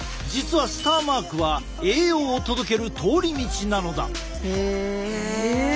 実はスターマークは栄養を届ける通り道なのだ。